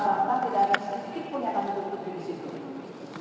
bahkan tidak ada sedikit pun yang akan berhubung disitu